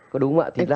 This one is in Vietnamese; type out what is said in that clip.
có đúng không ạ